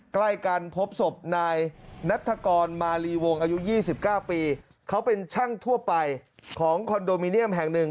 ใกล้กันพบศพนายนัฐกรมาลีวงอายุ๒๙ปีเขาเป็นช่างทั่วไปของคอนโดมิเนียมแห่งหนึ่ง